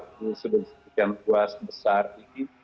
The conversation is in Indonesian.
sudah sedemikian puas besar ini